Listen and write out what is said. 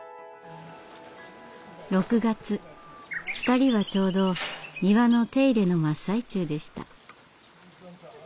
２人はちょうど庭の手入れの真っ最中でした。